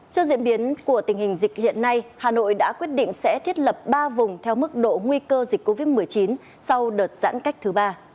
trước diễn biến của tình hình dịch hiện nay hà nội đã quyết định sẽ thiết lập ba vùng theo mức độ nguy cơ dịch covid một mươi chín sau đợt giãn cách thứ ba